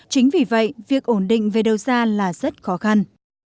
chính vì vậy việc ổn định về đầu ra là rất khó khăn